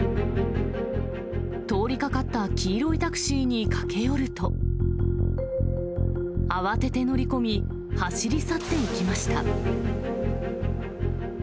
通りかかった黄色いタクシーに駆け寄ると、慌てて乗り込み、走り去っていきました。